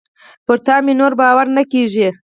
پر تا مي نور باور نه کېږي .